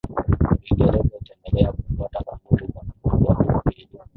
Uingereza itaendelea kufuata kanuni za umoja huo ili